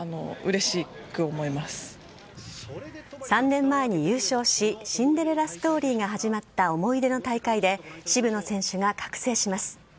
３年前に優勝しシンデレラストーリーが始まった思い出の大会で渋野選手が覚醒します。